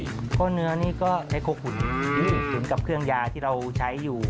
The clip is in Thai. กุ๋ยเตี๋ยวเนื้อนี่ก็ได้ควบคุ้นคุ้นกับเครื่องยาที่เราใช้อยู่